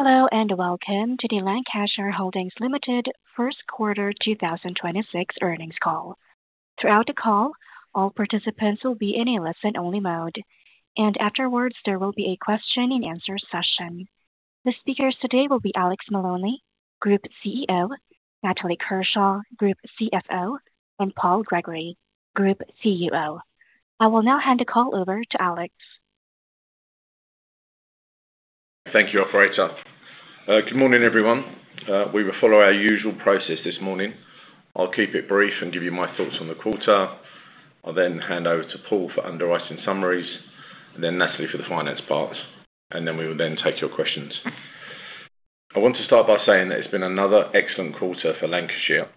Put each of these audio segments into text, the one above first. Hello and welcome to the Lancashire Holdings Limited first quarter 2026 earnings call. Throughout the call, all participants will be in a listen-only mode. Afterwards, there will be a question-and-answer session. The speakers today will be Alex Maloney, Group Chief Executive Officer, Natalie Kershaw, Group Chief Financial Officer, and Paul Gregory, Group Chief Underwriting Officer. I will now hand the call over to Alex. Thank you, operator. Good morning, everyone. We will follow our usual process this morning. I'll keep it brief and give you my thoughts on the quarter. I'll then hand over to Paul for underwriting summaries, then Natalie for the finance part, then we will take your questions. I want to start by saying that it's been another excellent quarter for Lancashire,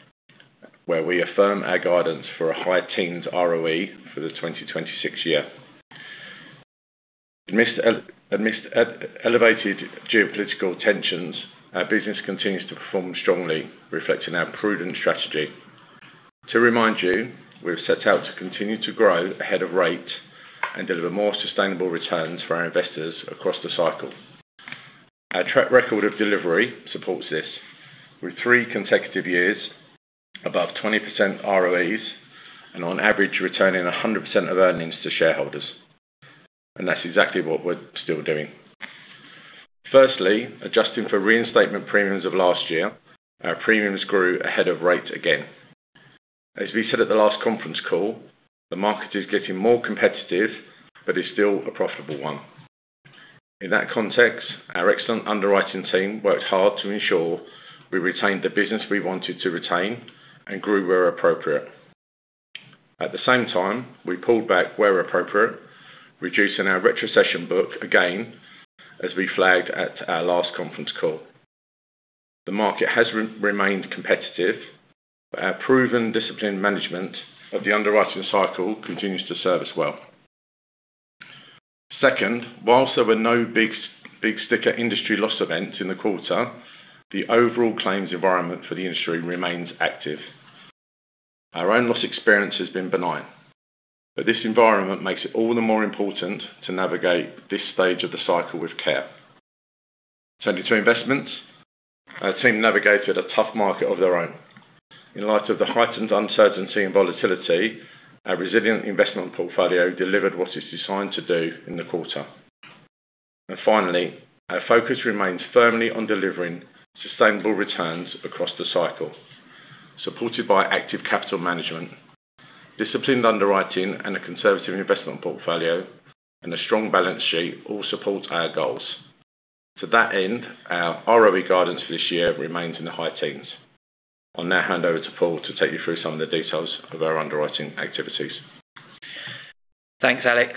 where we affirm our guidance for a high teens ROE for the 2026 year. Amidst elevated geopolitical tensions, our business continues to perform strongly, reflecting our prudent strategy. To remind you, we've set out to continue to grow ahead of rate and deliver more sustainable returns for our investors across the cycle. Our track record of delivery supports this with three consecutive years above 20% ROEs and on average, returning 100% of earnings to shareholders. That's exactly what we're still doing. Firstly, adjusting for reinstatement premiums of last year, our premiums grew ahead of rate again. As we said at the last conference call, the market is getting more competitive, but is still a profitable one. In that context, our excellent underwriting team worked hard to ensure we retained the business we wanted to retain and grew where appropriate. At the same time, we pulled back where appropriate, reducing our retrocession book again, as we flagged at our last conference call. The market has remained competitive, but our proven disciplined management of the underwriting cycle continues to serve us well. Second, whilst there were no big sticker industry loss events in the quarter, the overall claims environment for the industry remains active. Our own loss experience has been benign, but this environment makes it all the more important to navigate this stage of the cycle with care. Turning to investments, our team navigated a tough market of their own. In light of the heightened uncertainty and volatility, our resilient investment portfolio delivered what it's designed to do in the quarter. Finally, our focus remains firmly on delivering sustainable returns across the cycle, supported by active capital management. Disciplined underwriting and a conservative investment portfolio and a strong balance sheet all support our goals. To that end, our ROE guidance for this year remains in the high teens. I'll now hand over to Paul to take you through some of the details of our underwriting activities. Thanks, Alex.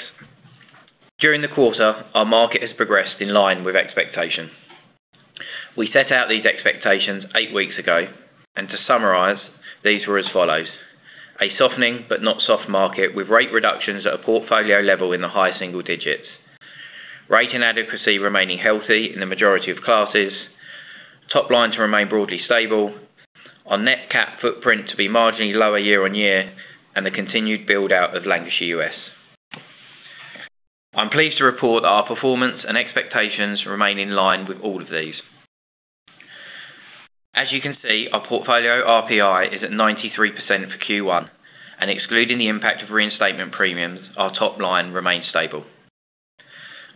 During the quarter, our market has progressed in line with expectation. We set out these expectations 8 weeks ago, and to summarize, these were as follows: a softening but not soft market with rate reductions at a portfolio level in the high single digits. Rate and adequacy remaining healthy in the majority of classes. Top line to remain broadly stable. Our net cap footprint to be marginally lower year-on-year, and the continued build-out of Lancashire U.S. I'm pleased to report our performance and expectations remain in line with all of these. As you can see, our portfolio RPI is at 93% for Q1, and excluding the impact of reinstatement premiums, our top line remains stable.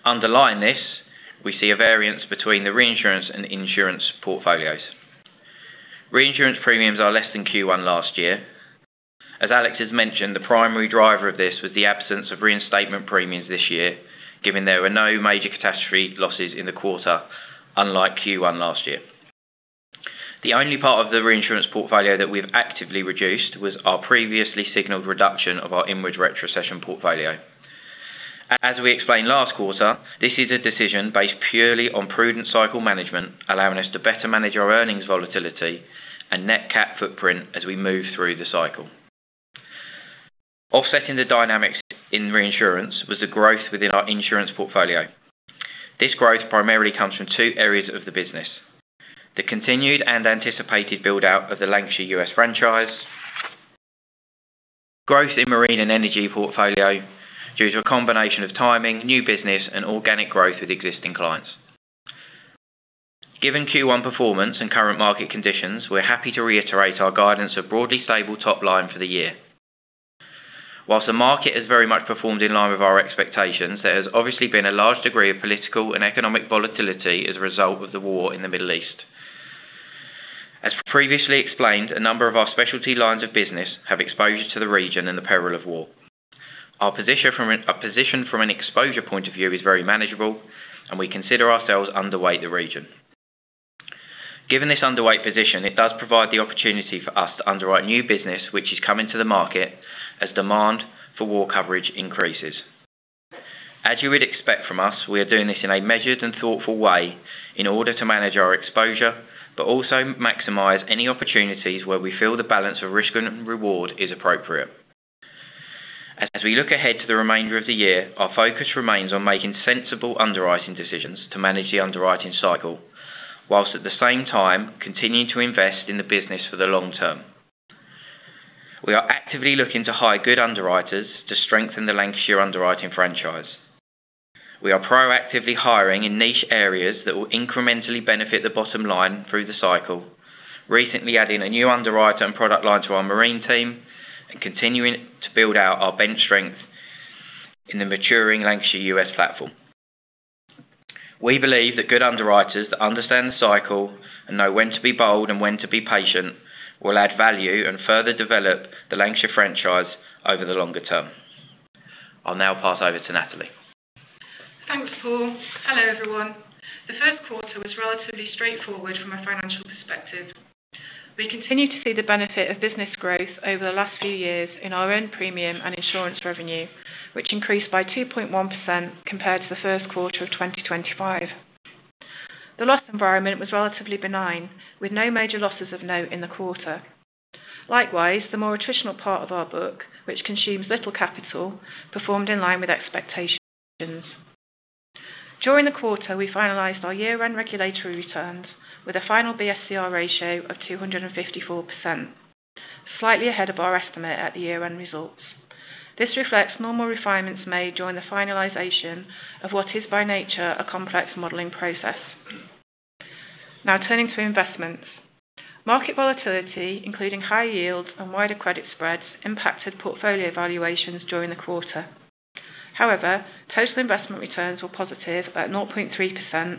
Underlying this, we see a variance between the reinsurance and insurance portfolios. Reinsurance premiums are less than Q1 last year. As Alex has mentioned, the primary driver of this was the absence of reinstatement premiums this year, given there were no major catastrophe losses in the quarter, unlike Q1 last year. The only part of the reinsurance portfolio that we've actively reduced was our previously signaled reduction of our inward retrocession portfolio. As we explained last quarter, this is a decision based purely on prudent cycle management, allowing us to better manage our earnings volatility and net cap footprint as we move through the cycle. Offsetting the dynamics in reinsurance was the growth within our insurance portfolio. This growth primarily comes from two areas of the business. The continued and anticipated build-out of the Lancashire U.S. franchise. Growth in Marine and Energy portfolio due to a combination of timing, new business, and organic growth with existing clients. Given Q1 performance and current market conditions, we're happy to reiterate our guidance of broadly stable top line for the year. Whilst the market has very much performed in line with our expectations, there has obviously been a large degree of political and economic volatility as a result of the war in the Middle East. As previously explained, a number of our specialty lines of business have exposure to the region and the peril of war. Our position from an exposure point of view is very manageable, and we consider ourselves underweight the region. Given this underweight position, it does provide the opportunity for us to underwrite new business, which is coming to the market as demand for war coverage increases. As you would expect from us, we are doing this in a measured and thoughtful way in order to manage our exposure, but also maximize any opportunities where we feel the balance of risk and reward is appropriate. As we look ahead to the remainder of the year, our focus remains on making sensible underwriting decisions to manage the underwriting cycle, while at the same time, continuing to invest in the business for the long term. We are actively looking to hire good underwriters to strengthen the Lancashire underwriting franchise. We are proactively hiring in niche areas that will incrementally benefit the bottom line through the cycle. Recently adding a new underwriter and product line to our marine team and continuing to build out our bench strength in the maturing Lancashire U.S. platform. We believe that good underwriters that understand the cycle and know when to be bold and when to be patient will add value and further develop the Lancashire franchise over the longer term. I'll now pass over to Natalie. Thanks, Paul. Hello, everyone. The first quarter was relatively straightforward from a financial perspective. We continue to see the benefit of business growth over the last few years in our own premium and insurance revenue, which increased by 2.1% compared to the first quarter of 2025. The loss environment was relatively benign, with no major losses of note in the quarter. Likewise, the more attritional part of our book, which consumes little capital, performed in line with expectations. During the quarter, we finalized our year-end regulatory returns with a final BSCR ratio of 254%, slightly ahead of our estimate at the year-end results. This reflects normal refinements made during the finalization of what is by nature a complex modeling process. Now turning to investments. Market volatility, including high yields and wider credit spreads, impacted portfolio valuations during the quarter. However, total investment returns were positive at 0.3%,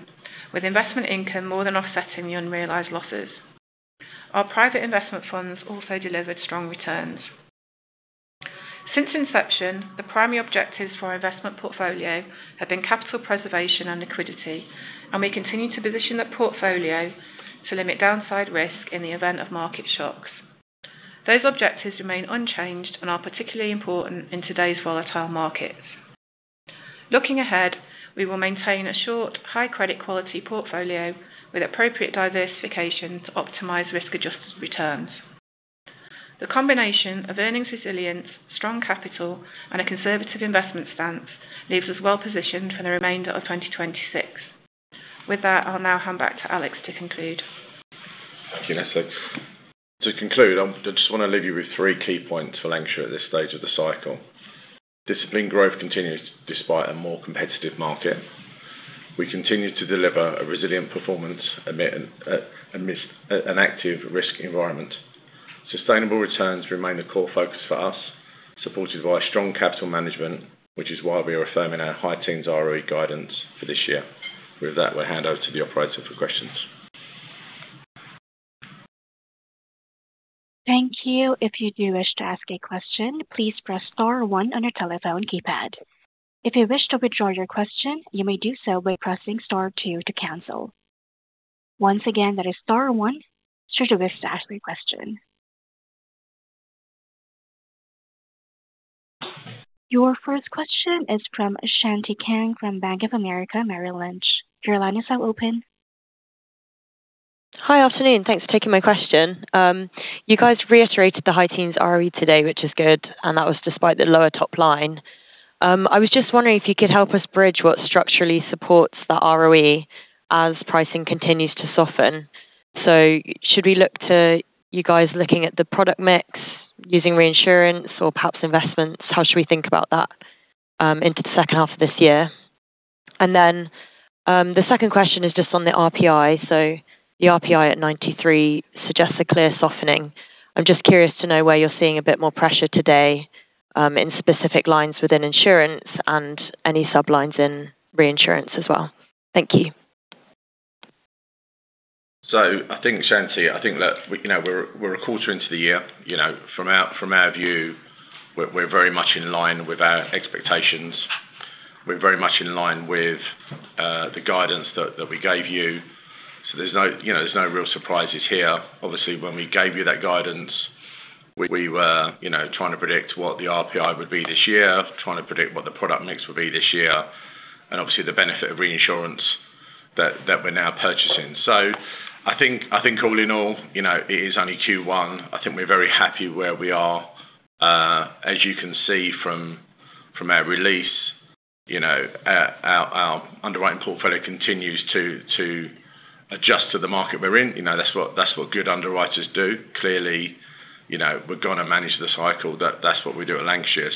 with investment income more than offsetting the unrealized losses. Our private investment funds also delivered strong returns. Since inception, the primary objectives for our investment portfolio have been capital preservation and liquidity, and we continue to position that portfolio to limit downside risk in the event of market shocks. Those objectives remain unchanged and are particularly important in today's volatile markets. Looking ahead, we will maintain a short, high credit quality portfolio with appropriate diversification to optimize risk-adjusted returns. The combination of earnings resilience, strong capital, and a conservative investment stance leaves us well-positioned for the remainder of 2026. With that, I'll now hand back to Alex to conclude. Thank you, Natalie. To conclude, I just want to leave you with three key points for Lancashire at this stage of the cycle. Disciplined growth continues despite a more competitive market. We continue to deliver a resilient performance amidst an active risk environment. Sustainable returns remain the core focus for us, supported by strong capital management, which is why we are affirming our high teens ROE guidance for this year. With that, we'll hand over to the operator for questions. Thank you. Your first question is from Shanti Kang from Bank of America Merrill Lynch. Your line is now open. Hi, afternoon. Thanks for taking my question. You guys reiterated the high teens ROE today, which is good, and that was despite the lower top line. I was just wondering if you could help us bridge what structurally supports that ROE as pricing continues to soften. Should we look to you guys looking at the product mix using reinsurance or perhaps investments? How should we think about that into the second half of this year? The second question is just on the RPI. The RPI at 93 suggests a clear softening. I'm just curious to know where you're seeing a bit more pressure today in specific lines within insurance and any sublines in reinsurance as well. Thank you. I think, Shanti, that, you know, we're a quarter into the year. You know, from our view, we're very much in line with our expectations. We're very much in line with the guidance that we gave you. There's no, you know, there's no real surprises here. Obviously, when we gave you that guidance, we were, you know, trying to predict what the RPI would be this year, trying to predict what the product mix would be this year, and obviously the benefit of reinsurance that we're now purchasing. I think all in all, you know, it is only Q1. I think we're very happy where we are. As you can see from our release, you know, our underwriting portfolio continues to adjust to the market we're in. You know, that's what, that's what good underwriters do. Clearly, you know, we're gonna manage the cycle. That's what we do at Lancashire.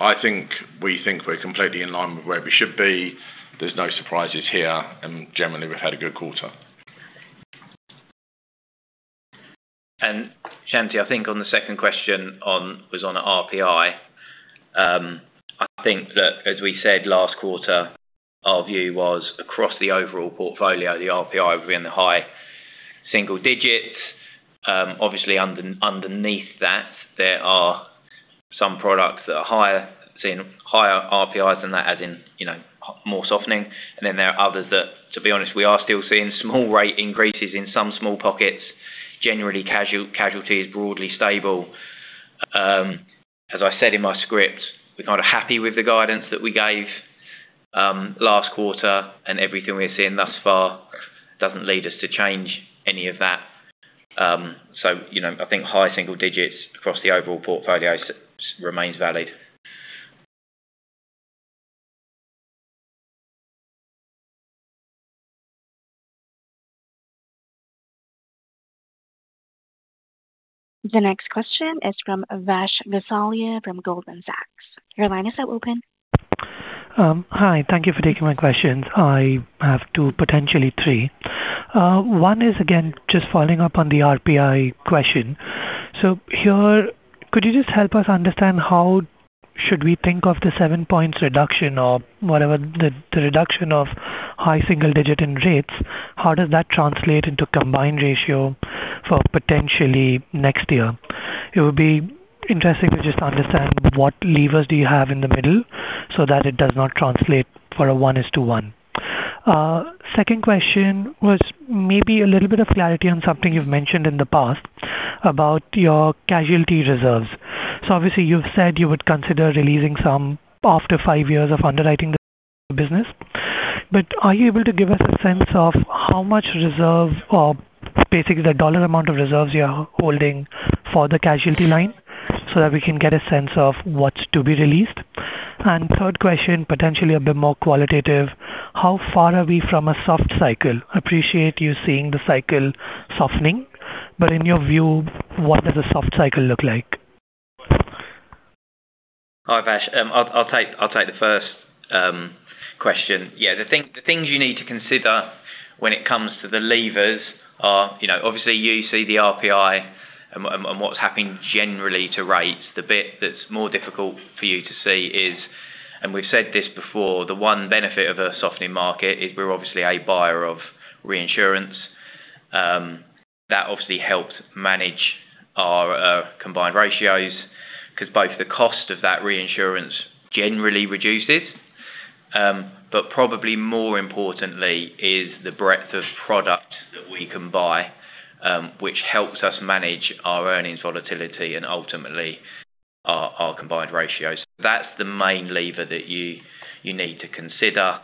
I think we think we're completely in line with where we should be. There's no surprises here. Generally, we've had a good quarter. Shanti, I think on the second question was on RPI, I think that as we said last quarter, our view was across the overall portfolio, the RPI would be in the high single digits. Obviously, underneath that, there are some products that are higher, seeing higher RPIs than that, as in, you know, more softening. There are others that, to be honest, we are still seeing small rate increases in some small pockets. Generally casualty is broadly stable. As I said in my script, we're kind of happy with the guidance that we gave last quarter, and everything we're seeing thus far doesn't lead us to change any of that. You know, I think high single digits across the overall portfolio remains valid. The next question is from Vash Gosalia from Goldman Sachs. Your line is now open. Hi. Thank you for taking my questions. I have two, potentially three. One is again, just following up on the RPI question. Here, could you just help us understand how should we think of the seven points reduction or whatever the reduction of high single-digit in rates, how does that translate into combined ratio for potentially next year? It would be interesting to just understand what levers do you have in the middle so that it does not translate for a 1 is to 1. Second question was maybe a little bit of clarity on something you've mentioned in the past about your casualty reserves. Obviously, you've said you would consider releasing some after five years of underwriting the business. Are you able to give us a sense of how much reserve or basically the dollar amount of reserves you are holding for the casualty line so that we can get a sense of what's to be released? Third question, potentially a bit more qualitative. How far are we from a soft cycle? Appreciate you seeing the cycle softening, but in your view, what does a soft cycle look like? Hi, Vash. I'll take the first question. Yeah. The things you need to consider when it comes to the levers are, you know, obviously you see the RPI and what's happening generally to rates. The bit that's more difficult for you to see is, and we've said this before, the one benefit of a softening market is we're obviously a buyer of reinsurance. That obviously helps manage our combined ratios 'cause both the cost of that reinsurance generally reduces. But probably more importantly is the breadth of product that we can buy, which helps us manage our earnings volatility and ultimately our combined ratios. That's the main lever that you need to consider.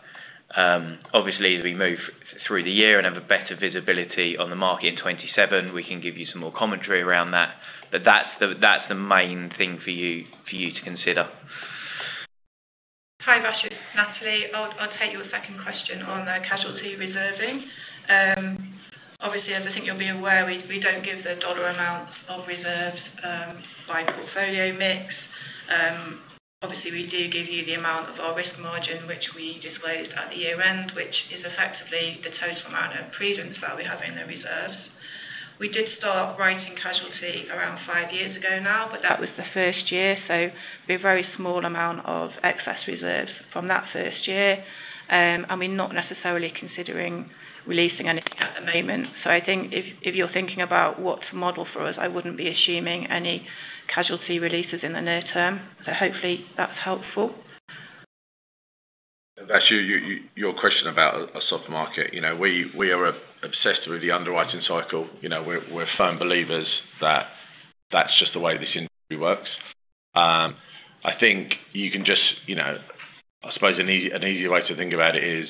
obviously, as we move through the year and have a better visibility on the market in 2027, we can give you some more commentary around that. That's the, that's the main thing for you, for you to consider. Hi, Vash. It's Natalie. I'll take your second question on the casualty reserving. Obviously, as I think you'll be aware, we don't give the dollar amounts of reserves by portfolio mix. Obviously, we do give you the amount of our risk margin, which we disclosed at the year-end, which is effectively the total amount of prudence that we have in the reserves. We did start writing casualty around five years ago now, but that was the first year, so we have very small amount of excess reserves from that first year. We're not necessarily considering releasing anything at the moment. I think if you're thinking about what to model for us, I wouldn't be assuming any casualty releases in the near term. Hopefully that's helpful. Vash, your question about a soft market. You know, we are obsessed with the underwriting cycle. You know, we're firm believers that that's just the way this industry works. I think you can just, you know. I suppose an easier way to think about it is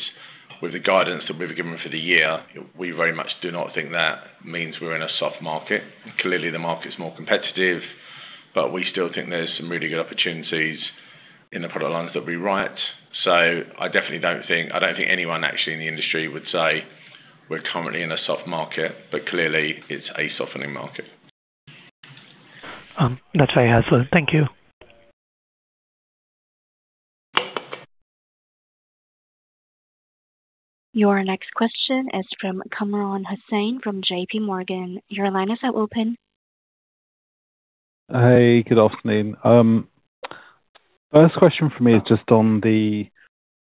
with the guidance that we've given for the year, we very much do not think that means we're in a soft market. Clearly, the market is more competitive, but we still think there's some really good opportunities in the product lines that we write. I definitely don't think anyone actually in the industry would say we're currently in a soft market, but clearly it's a softening market. That's very helpful. Thank you. Your next question is from Kamran Hossain from JPMorgan. Your line is now open. Hey, good afternoon. First question from me is just on the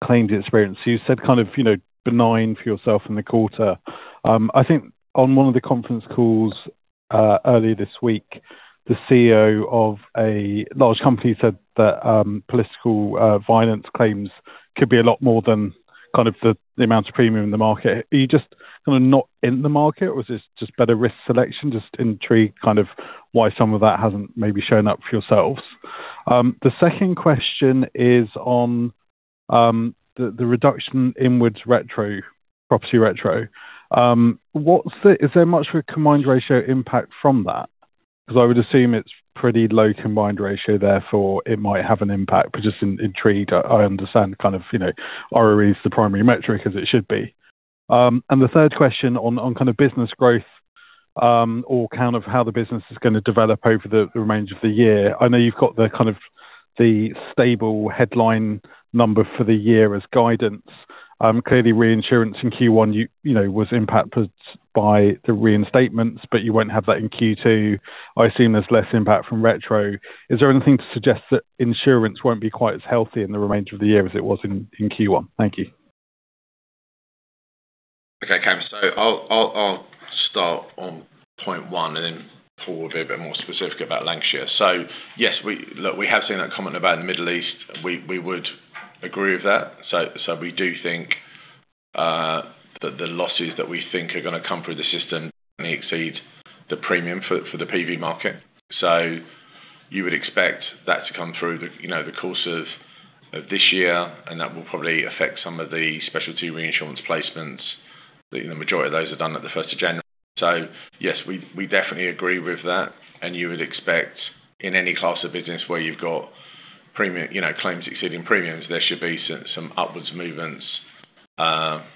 claims experience. You said kind of, you know, benign for yourself in the quarter. I think on one of the conference calls earlier this week, the CEO of a large company said that political violence claims could be a lot more than kind of the amount of premium in the market. Are you just kinda not in the market or is this just better risk selection? Just intrigued kind of why some of that hasn't maybe shown up for yourselves. The second question is on the reduction inwards retro, property retro. Is there much of a combined ratio impact from that? 'Cause I would assume it's pretty low combined ratio, therefore it might have an impact. Just in intrigue, I understand kind of, you know, ROE is the primary metric as it should be. And the third question on kind of business growth, or kind of how the business is gonna develop over the remainder of the year. I know you've got the kind of the stable headline number for the year as guidance. Clearly reinsurance in Q1, you know, was impacted by the reinstatements, but you won't have that in Q2. I assume there's less impact from retro. Is there anything to suggest that insurance won't be quite as healthy in the remainder of the year as it was in Q1? Thank you. Okay, Kam. I'll start on point one and then Paul will be a bit more specific about Lancashire. Yes, we have seen that comment about the Middle East. We would agree with that. We do think that the losses that we think are gonna come through the system may exceed the premium for the PV market. You would expect that to come through the, you know, the course of this year, and that will probably affect some of the specialty reinsurance placements. The majority of those are done at the first of January. Yes, we definitely agree with that. You would expect in any class of business where you've got Premium, you know, claims exceeding premiums, there should be some upwards movements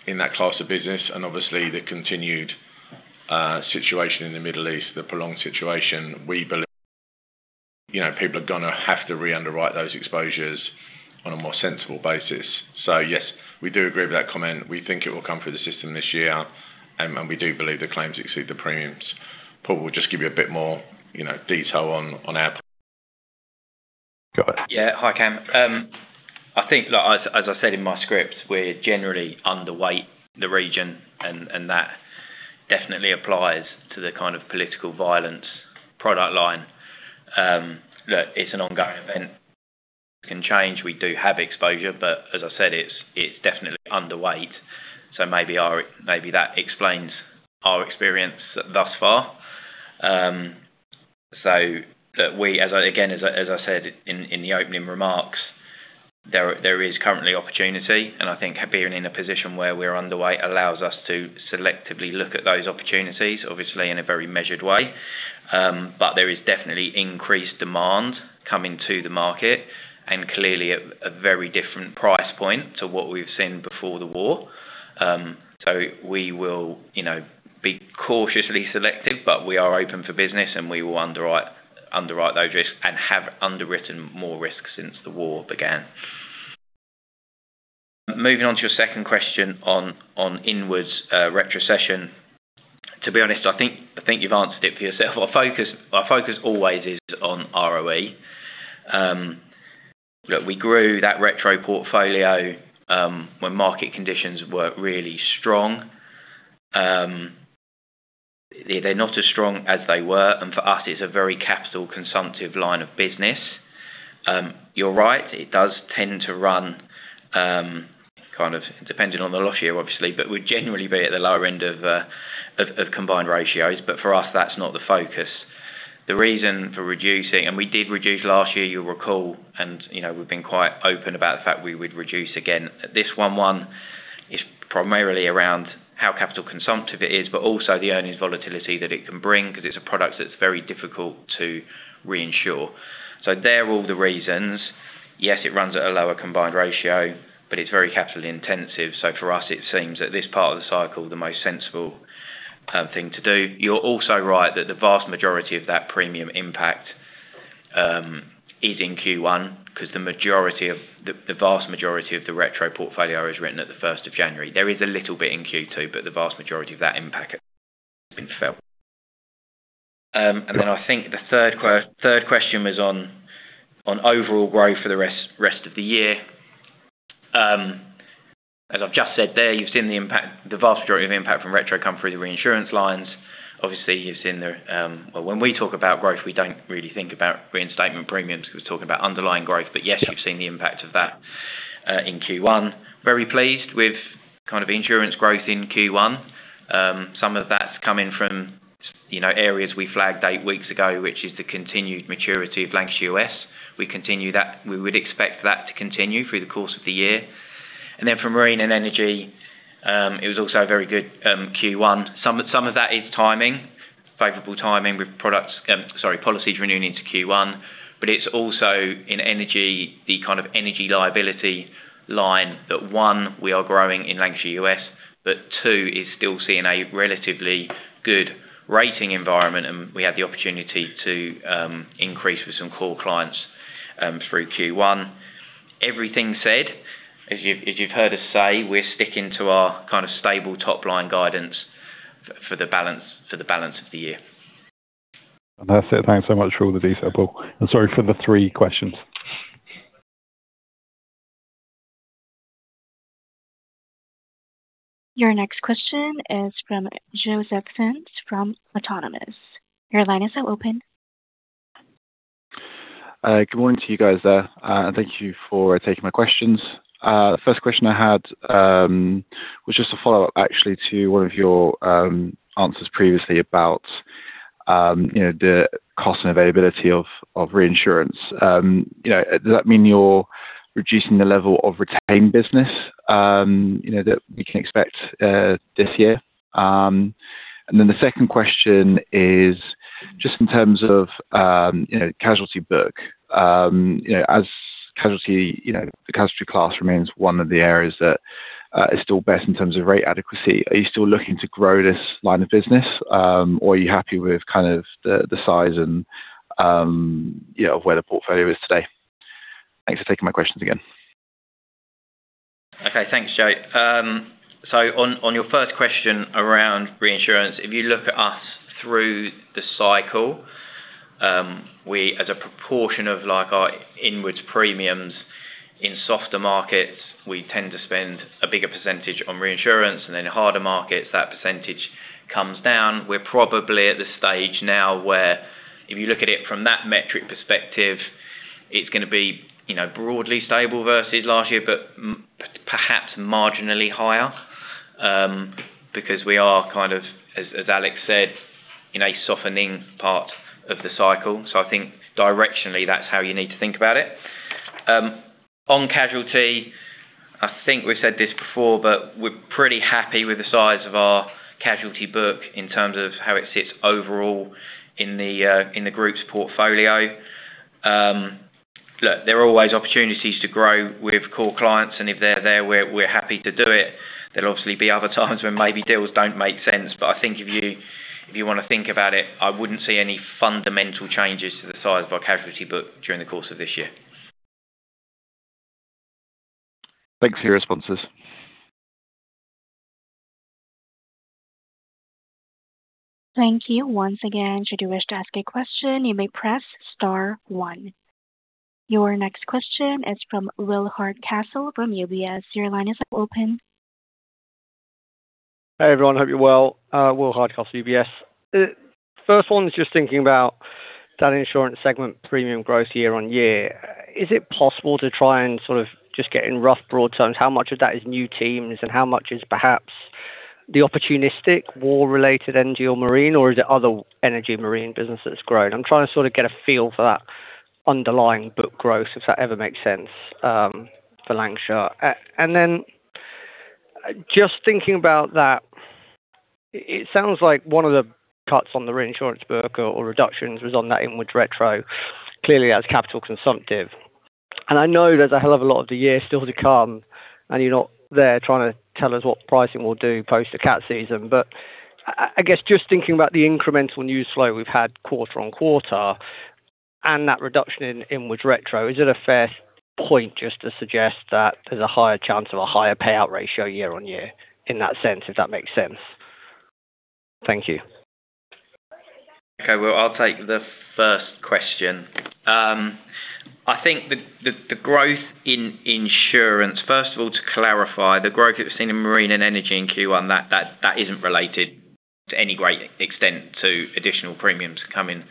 in that class of business. Obviously the continued situation in the Middle East, the prolonged situation, we believe, you know, people are gonna have to re-underwrite those exposures on a more sensible basis. Yes, we do agree with that comment. We think it will come through the system this year, and we do believe the claims exceed the premiums. Paul will just give you a bit more, you know, detail. Go ahead. Hi, Kam. I think that as I said in my script, we're generally underweight the region and that definitely applies to the kind of political violence product line, that it's an ongoing event. It can change. We do have exposure, as I said, it's definitely underweight. Maybe that explains our experience thus far. That we, again, as I, as I said in the opening remarks, there is currently opportunity, I think being in a position where we're underweight allows us to selectively look at those opportunities, obviously in a very measured way. There is definitely increased demand coming to the market clearly at a very different price point to what we've seen before the war. We will, you know, be cautiously selective, but we are open for business and we will underwrite those risks and have underwritten more risks since the war began. Moving on to your second question on inwards retrocession. To be honest, I think you've answered it for yourself. Our focus always is on ROE. Look, we grew that retro portfolio when market conditions were really strong. They're not as strong as they were, and for us it's a very capital consumptive line of business. You're right, it does tend to run, kind of depending on the loss year obviously, but would generally be at the lower end of combined ratios. For us, that's not the focus. The reason for reducing, and we did reduce last year, you'll recall, and, you know, we've been quite open about the fact we would reduce again. This 1 is primarily around how capital consumptive it is, but also the earnings volatility that it can bring 'cause it's a product that's very difficult to reinsure. They're all the reasons. Yes, it runs at a lower combined ratio, but it's very capital intensive. For us, it seems at this part of the cycle, the most sensible thing to do. You're also right that the vast majority of that premium impact is in Q1 'cause the vast majority of the retro portfolio is written at the 1st of January. There is a little bit in Q2, but the vast majority of that impact has been felt. Then I think the third question was on overall growth for the rest of the year. As I've just said there, you've seen the impact, the vast majority of impact from retro come through the reinsurance lines. Obviously you've seen the. Well, when we talk about growth, we don't really think about reinstatement premiums 'cause we're talking about underlying growth. Yes, you've seen the impact of that in Q1. Very pleased with kind of insurance growth in Q1. Some of that's coming from, you know, areas we flagged eight weeks ago, which is the continued maturity of Lancashire U.S. We continue that. We would expect that to continue through the course of the year. Then for Marine and Energy, it was also a very good Q1. Some of that is timing, favorable timing with products, sorry, policies renewing into Q1, but it's also in energy, the kind of Energy Liability line that, one, we are growing in Lancashire U.S. Two, is still seeing a relatively good rating environment, and we had the opportunity to increase with some core clients through Q1. Everything said, as you've heard us say, we are sticking to our kind of stable top line guidance for the balance of the year. That's it. Thanks so much for all the detail, Paul. Sorry for the three questions. Your next question is from Joseph Theuns from Autonomous Research. Your line is now open. Good morning to you guys there. Thank you for taking my questions. The first question I had was just a follow-up actually to one of your answers previously about, you know, the cost and availability of reinsurance. You know, does that mean you're reducing the level of retained business, you know, that we can expect this year? Then the second question is just in terms of, you know, casualty book. You know, as casualty, the casualty class remains one of the areas that is still best in terms of rate adequacy. Are you still looking to grow this line of business? Are you happy with kind of the size and, you know, of where the portfolio is today? Thanks for taking my questions again. Okay, thanks, Joe. On your first question around reinsurance, if you look at us through the cycle, we as a proportion of like our inwards premiums in softer markets, we tend to spend a bigger % on reinsurance, and then harder markets, that % comes down. We're probably at the stage now where if you look at it from that metric perspective, it's going to be, you know, broadly stable versus last year, but perhaps marginally higher, because we are kind of as Alex said, in a softening part of the cycle. I think directionally that's how you need to think about it. On casualty. I think we've said this before, but we're pretty happy with the size of our casualty book in terms of how it sits overall in the Group's portfolio. Look, there are always opportunities to grow with core clients, and if they're there, we're happy to do it. There'll obviously be other times when maybe deals don't make sense. I think if you, if you want to think about it, I wouldn't see any fundamental changes to the size of our casualty book during the course of this year. Thanks for your responses. Thank you. Once again, should you wish to ask a question, you may press star one. Your next question is from Will Hardcastle from UBS. Your line is now open. Hey, everyone. Hope you're well. Will Hardcastle, UBS. First one is just thinking about that insurance segment premium growth year-on-year. Is it possible to try and sort of just get in rough broad terms, how much of that is new teams and how much is perhaps the opportunistic war-related energy or marine, or is it other energy marine business that's grown? I'm trying to sort of get a feel for that underlying book growth, if that ever makes sense, for Lancashire. Then just thinking about that, it sounds like one of the cuts on the reinsurance book or reductions was on that inward retro. Clearly, that's capital consumptive. I know there's a hell of a lot of the year still to come, and you're not there trying to tell us what pricing will do post the cat season. I guess just thinking about the incremental news flow we've had quarter-on-quarter and that reduction in inward retro, is it a fair point just to suggest that there's a higher chance of a higher payout ratio year-on-year in that sense, if that makes sense? Thank you. Okay. Well, I'll take the first question. I think the growth in insurance. First of all, to clarify, the growth that we've seen in Marine and Energy in Q1, that isn't related to any great extent to additional premiums coming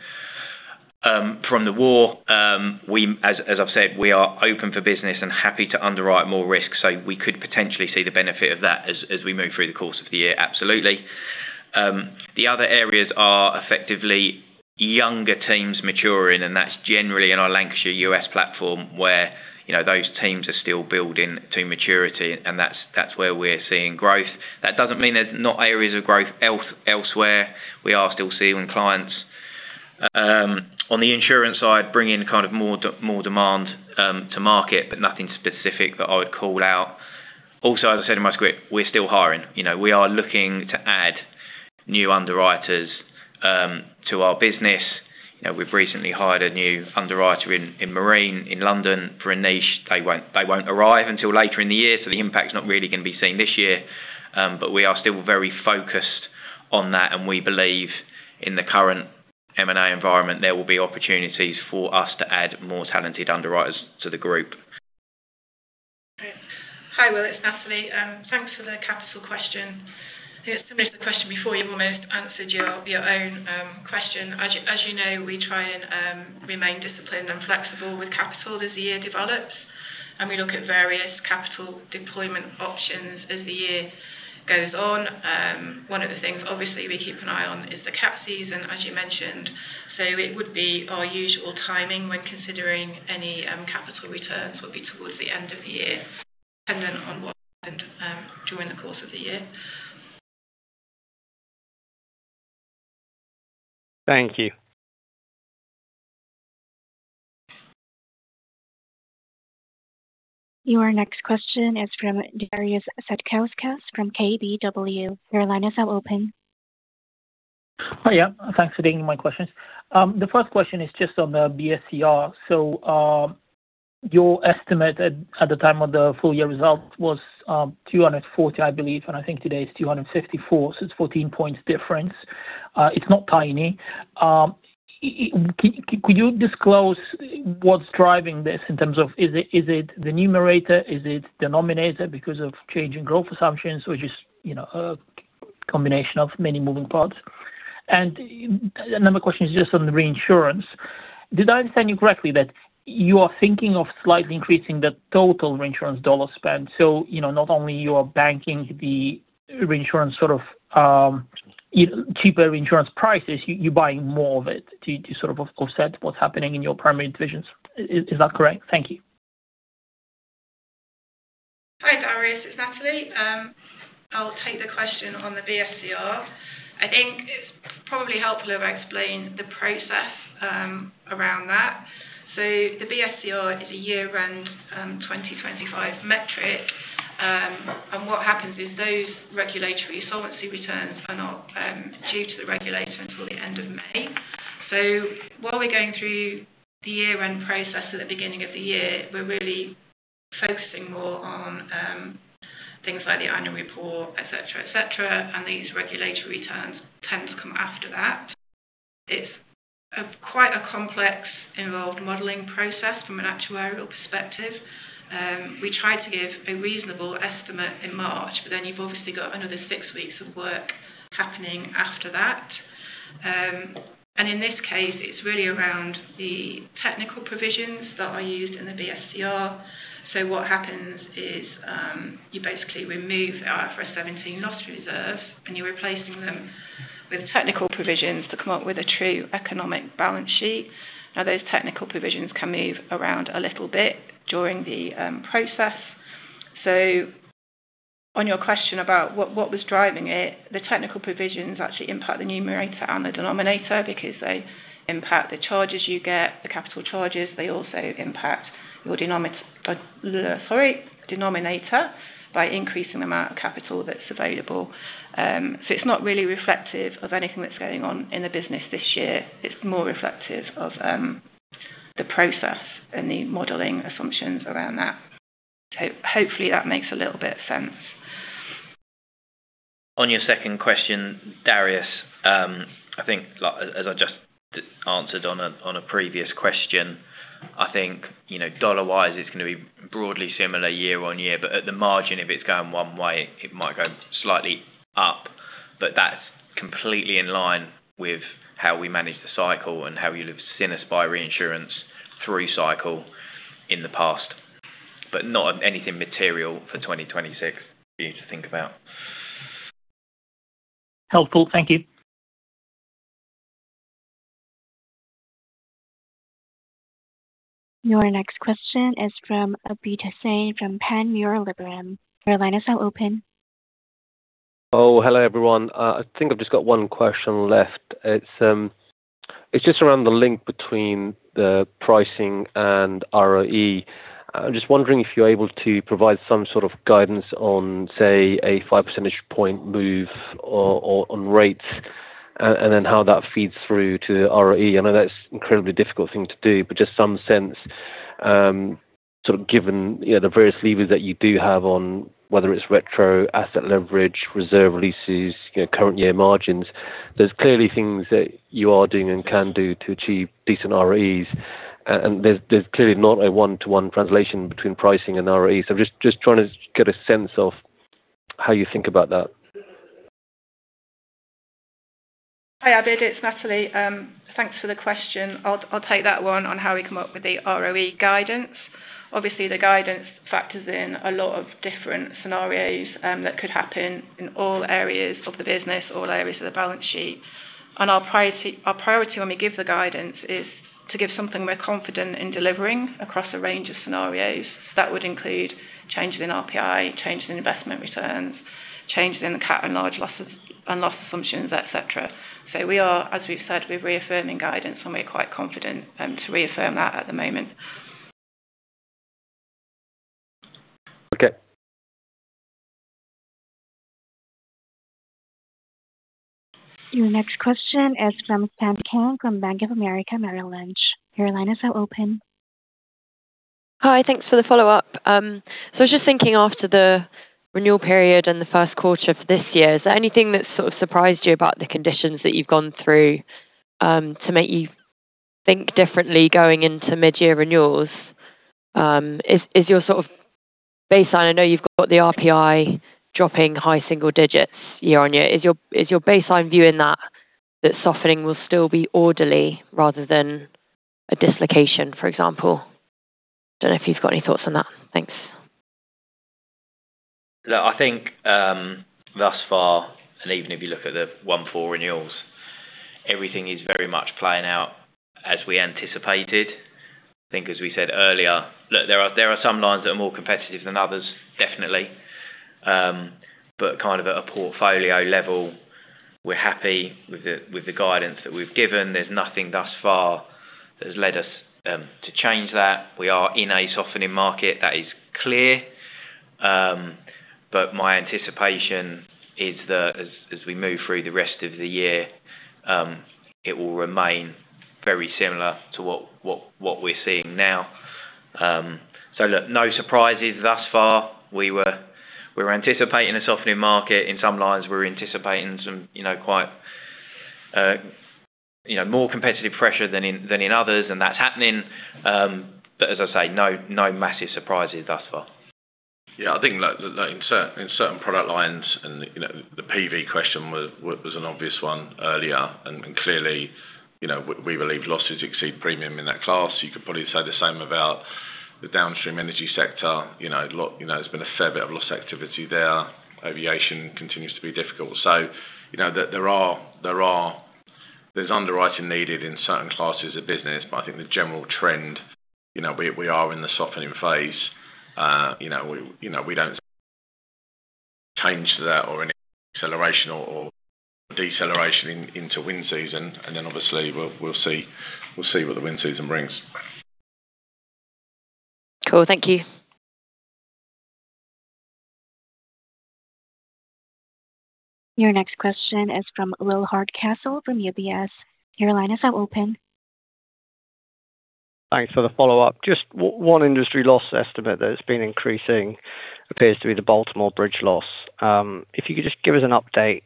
from the war. As I've said, we are open for business and happy to underwrite more risk, so we could potentially see the benefit of that as we move through the course of the year. Absolutely. The other areas are effectively younger teams maturing, and that's generally in our Lancashire U.S. platform where, you know, those teams are still building to maturity, and that's where we're seeing growth. That doesn't mean there's not areas of growth elsewhere. We are still seeing clients on the insurance side bring in kind of more demand to market, nothing specific that I would call out. As I said in my script, we're still hiring. You know, we are looking to add new underwriters to our business. You know, we've recently hired a new underwriter in Marine in London for a niche. They won't arrive until later in the year, the impact is not really going to be seen this year. We are still very focused on that, we believe in the current M&A environment, there will be opportunities for us to add more talented underwriters to the group. Great. Hi, Will. It's Natalie. Thanks for the capital question. Similar to the question before, you've almost answered your own question. As you know, we try and remain disciplined and flexible with capital as the year develops, we look at various capital deployment options as the year goes on. One of the things obviously we keep an eye on is the cat season, as you mentioned. It would be our usual timing when considering any capital returns would be towards the end of the year, dependent on what happened during the course of the year. Thank you. Your next question is from Darius Satkauskas from KBW. Your line is now open. Oh, yeah. Thanks for taking my questions. The first question is just on the BSCR. Your estimate at the time of the full year results was 240, I believe, and I think today it's 254. It's 14 points difference. It's not tiny. Could you disclose what's driving this in terms of is it the numerator? Is it denominator because of changing growth assumptions or just, you know, a combination of many moving parts? Another question is just on the reinsurance. Did I understand you correctly that you are thinking of slightly increasing the total reinsurance dollar spend? You know, not only you are banking the reinsurance sort of cheaper reinsurance prices, you're buying more of it to sort of offset what's happening in your primary divisions. Is that correct? Thank you. Hi, Darius. It's Natalie. I'll take the question on the BSCR. I think it's probably helpful if I explain the process around that. The BSCR is a year-end 2025 metric. What happens is those regulatory solvency returns are not due to the regulator until the end of May. While we're going through the year-end process at the beginning of the year, we're really focusing more on things like the annual report, et cetera, and these regulatory returns tend to come after that. It's a quite a complex involved modeling process from an actuarial perspective. We try to give a reasonable estimate in March, but then you've obviously got another six weeks of work happening after that. In this case, it's really around the technical provisions that are used in the BSCR. What happens is, you basically remove our IFRS 17 loss reserve, and you're replacing them with technical provisions to come up with a true economic balance sheet. Those technical provisions can move around a little bit during the process. On your question about what was driving it, the technical provisions actually impact the numerator and the denominator because they impact the charges you get, the capital charges. They also impact your denominator by increasing the amount of capital that's available. It's not really reflective of anything that's going on in the business this year. It's more reflective of the process and the modeling assumptions around that. Hopefully that makes a little bit sense. On your second question, Darius, I think, like, as I just answered on a previous question, I think, you know, dollar-wise, it's going to be broadly similar year-on-year, but at the margin, if it's going one way, it might go slightly up. That's completely in line with how we manage the cycle and how you'd have seen us by reinsurance through cycle in the past. Not anything material for 2026 for you to think about. Helpful. Thank you. Your next question is from Abid Hussain from Panmure Liberum. Your line is now open. Hello, everyone. I think I've just got one question left. It's just around the link between the pricing and ROE. I'm just wondering if you're able to provide some sort of guidance on, say, a 5 percentage point move or on rates, and then how that feeds through to ROE. I know that's incredibly difficult thing to do, but just some sense, sort of given, you know, the various levers that you do have on whether it's retro, asset leverage, reserve releases, you know, current year margins. There's clearly things that you are doing and can do to achieve decent ROEs. There's clearly not a one-to-one translation between pricing and ROE. I'm just trying to get a sense of how you think about that. Hi, Abid. It's Natalie. Thanks for the question. I'll take that one on how we come up with the ROE guidance. Obviously, the guidance factors in a lot of different scenarios that could happen in all areas of the business, all areas of the balance sheet. Our priority when we give the guidance is to give something we're confident in delivering across a range of scenarios. That would include changes in RPI, changes in investment returns, changes in the cat and large losses and loss assumptions, et cetera. We are, as we've said, we're reaffirming guidance, and we're quite confident to reaffirm that at the moment. Okay. Your next question is from Shanti Kang from Bank of America Merrill Lynch. Your line is now open. Hi. Thanks for the follow-up. I was just thinking after the renewal period and the first quarter for this year, is there anything that sort of surprised you about the conditions that you've gone through to make you think differently going into mid-year renewals? I know you've got the RPI dropping high single digits year-on-year. Is your baseline view in that softening will still be orderly rather than a dislocation, for example? Don't know if you've got any thoughts on that. Thanks. Look, I think, thus far, and even if you look at the 1/4 renewals, everything is very much playing out as we anticipated. I think as we said earlier, look, there are, there are some lines that are more competitive than others, definitely. Kind of at a portfolio level, we're happy with the, with the guidance that we've given. There's nothing thus far that has led us to change that. We are in a softening market, that is clear. My anticipation is that as we move through the rest of the year, it will remain very similar to what we're seeing now. Look, no surprises thus far. We were anticipating a softening market. In some lines, we're anticipating some, you know, quite, you know, more competitive pressure than in others, and that's happening. As I say, no massive surprises thus far. Yeah. I think, like, in certain product lines, you know, the PV question was an obvious one earlier. Clearly, you know, we believe losses exceed premium in that class. You could probably say the same about the Downstream Energy sector. You know, look, you know, there's been a fair bit of loss activity there. Aviation continues to be difficult. You know, there are there's underwriting needed in certain classes of business, but I think the general trend, you know, we are in the softening phase. You know, we, you know, we don't change that or any acceleration or deceleration into wind season. Obviously, we'll see what the wind season brings. Cool. Thank you. Your next question is from Will Hardcastle from UBS. Your line is now open. Thanks for the follow-up. Just one industry loss estimate that's been increasing appears to be the Baltimore Bridge loss. If you could just give us an update,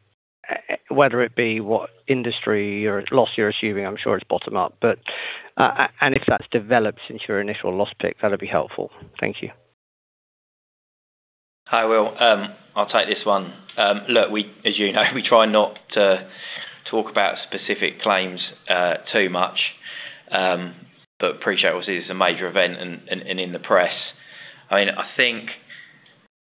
whether it be what industry or loss you're assuming, I'm sure it's bottom-up. If that's developed since your initial loss pick, that'd be helpful. Thank you. Hi, Will. I'll take this one. look, as you know, we try not to talk about specific claims too much. appreciate obviously it's a major event and in the press. You know,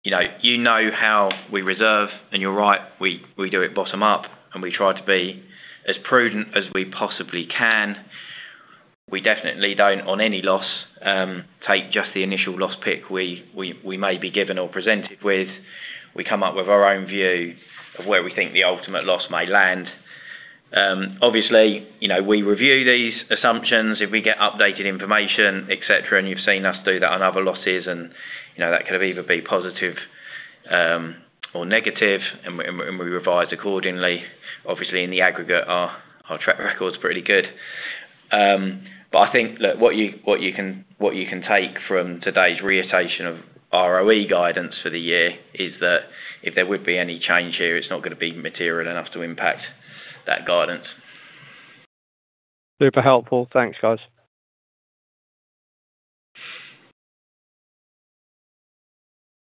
you know how we reserve, and you're right, we do it bottom up, and we try to be as prudent as we possibly can. We definitely don't, on any loss, take just the initial loss pick we, we may be given or presented with. We come up with our own view of where we think the ultimate loss may land. Obviously, you know, we review these assumptions if we get updated information, et cetera, and you've seen us do that on other losses and, you know, that could have either been positive, or negative, and we, and we revise accordingly. Obviously, in the aggregate, our track record is pretty good. I think look what you can take from today's re-ascertain of ROE guidance for the year is that if there would be any change here, it's not gonna be material enough to impact that guidance. Super helpful. Thanks, guys.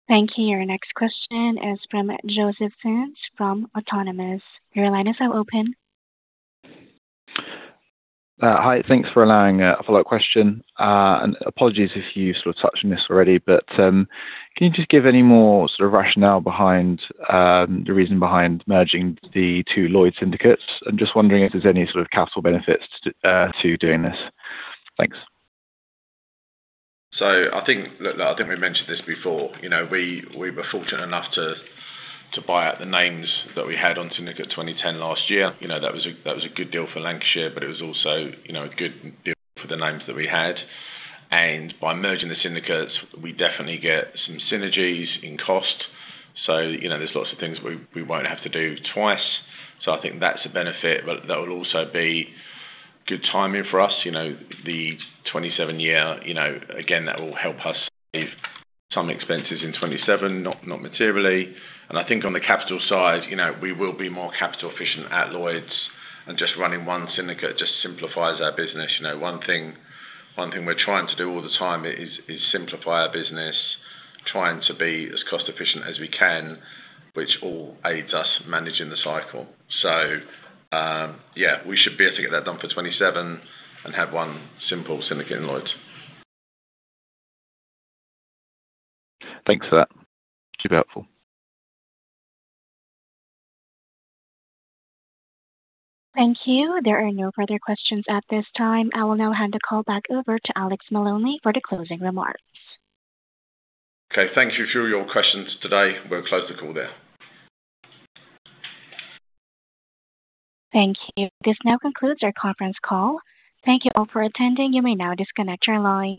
Thank you. Your next question is from Joseph Theuns from Autonomous. Your line is now open. Hi. Thanks for allowing a follow-up question. Apologies if you sort of touched on this already, but can you just give any more sort of rationale behind the reason behind merging the two Lloyd's syndicates? I'm just wondering if there's any sort of capital benefits to doing this. Thanks. I think. Look, I think we mentioned this before. You know, we were fortunate enough to buy out the names that we had on Syndicate 2010 last year. You know, that was a, that was a good deal for Lancashire, but it was also, you know, a good deal for the names that we had. By merging the syndicates, we definitely get some synergies in cost. You know, there's lots of things we won't have to do twice. I think that's a benefit. That will also be good timing for us. You know, the 2027 year, you know, again, that will help us save some expenses in 2027, not materially. I think on the capital side, you know, we will be more capital efficient at Lloyd's and just running one syndicate just simplifies our business. You know, one thing we're trying to do all the time is simplify our business, trying to be as cost-efficient as we can, which all aids us managing the cycle. Yeah, we should be able to get that done for 2027 and have one simple syndicate in Lloyd's. Thanks for that. Super helpful. Thank you. There are no further questions at this time. I will now hand the call back over to Alex Maloney for the closing remarks. Okay. Thank you for your questions today. We'll close the call there. Thank you. This now concludes our conference call. Thank you all for attending. You may now disconnect your line.